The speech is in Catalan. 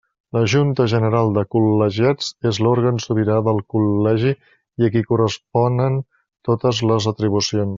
La Junta General de Col·legiats és l'òrgan sobirà del Col·legi i a qui corresponen totes les atribucions.